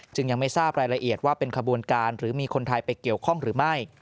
ยังไม่ทราบรายละเอียดว่าเป็นขบวนการหรือมีคนไทยไปเกี่ยวข้องหรือไม่